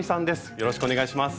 よろしくお願いします。